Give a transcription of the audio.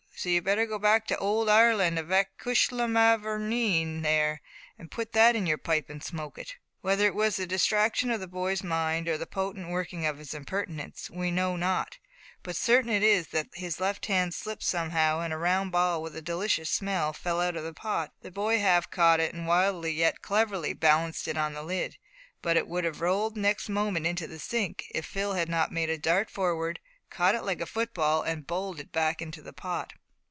So you'd better go back to Owld Ireland, avic cushla mavourneen there, put that in your pipe and smoke it." Whether it was the distraction of the boy's mind, or the potent working of his impertinence, we know not, but certain it is that his left hand slipped somehow, and a round ball, with a delicious smell, fell out of the pot. The boy half caught it, and wildly yet cleverly balanced it on the lid, but it would have rolled next moment into the sink, if Phil had not made a dart forward, caught it like a football, and bowled it back into the pot.